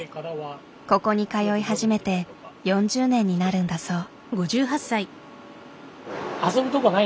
ここに通い始めて４０年になるんだそう。